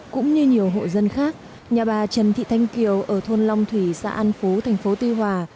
cũng như nhiều hộ dân khác nhà bà trần thị thanh kiều ở thôn long thủy xã an phú thành phố tuy hòa